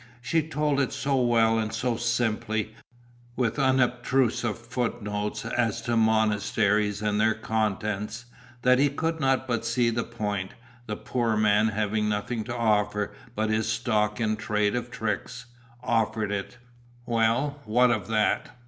She told it so well and so simply, with unobtrusive foot notes as to monasteries and their contents, that he could not but see the point, the poor man having nothing to offer but his stock in trade of tricks, offered it. Well, what of that?